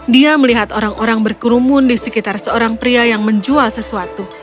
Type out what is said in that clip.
dia melihat orang orang berkerumun di sekitar seorang pria yang menjual sesuatu